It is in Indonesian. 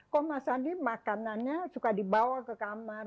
kok mas sandi makanannya suka dibawa ke kamar